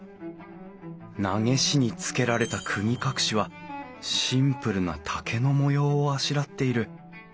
長押につけられたくぎ隠しはシンプルな竹の模様をあしらっている。